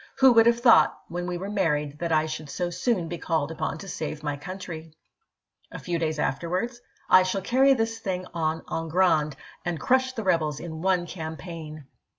. Who would have thought when we were married that I should so soon be called upon to save my country ?" A few days afterwards :" I shall carry this thing on en grand and crush the rebels in one campaign."